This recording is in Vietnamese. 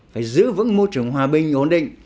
phải giữ vững môi trường hòa bình ổn định